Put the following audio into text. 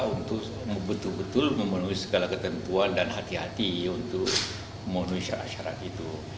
untuk betul betul memenuhi segala ketentuan dan hati hati untuk memenuhi syarat itu